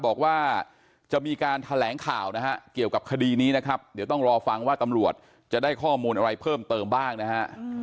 บอกว่าจะมีการแถลงข่าวนะฮะเกี่ยวกับคดีนี้นะครับเดี๋ยวต้องรอฟังว่าตำรวจจะได้ข้อมูลอะไรเพิ่มเติมบ้างนะฮะ